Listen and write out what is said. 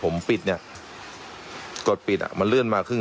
นี่เรื่องมันเลื่อนมาคึง